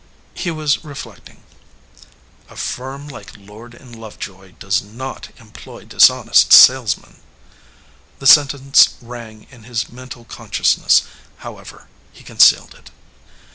He was reflecting. "A firm like Lord & Lovejoy does not employ dis honest salesmen." The sentence rang in his mental consciousness; however, he concealed it.